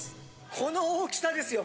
この大きさですよ。